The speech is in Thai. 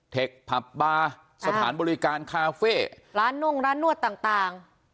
เทคผับบาร์สถานบริการคาเฟ่ร้านน่งร้านนวดต่าง